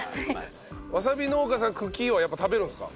わさび農家さんは茎はやっぱ食べるんですか？